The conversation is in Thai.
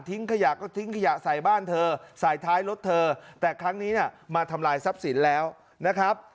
ขยะก็ทิ้งขยะใส่บ้านเธอใส่ท้ายรถเธอแต่ครั้งนี้เนี่ยมาทำลายทรัพย์สินแล้วนะครับ